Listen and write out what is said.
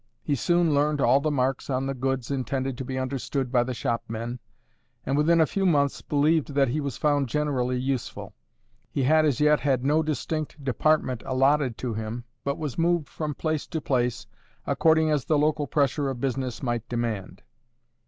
He soon learned all the marks on the goods intended to be understood by the shopmen, and within a few months believed that he was found generally useful. He had as yet had no distinct department allotted to him, but was moved from place to place, according as the local pressure of business might demand.